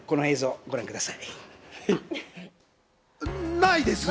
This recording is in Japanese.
ないですね！